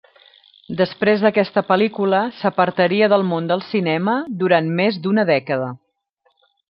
Després d'aquesta pel·lícula s'apartaria del món del cinema durant més d'una dècada.